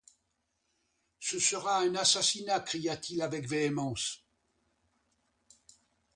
Ce sera un assassinat, cria-t-il avec véhémence.